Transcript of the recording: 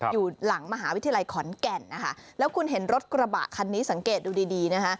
อยู่หลังมหาวิทยาลัยขอนแก่นนะคะแล้วคุณเห็นรถกระบะคันนี้สังเกตดูดีดีนะคะ